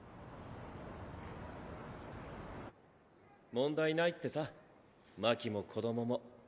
問題ないってさ真希も子どもも。